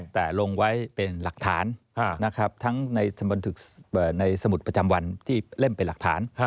แต่ลงไว้เป็นหลักฐานทั้งในสมุดประจำวันที่เล่มเป็นหลักฐาน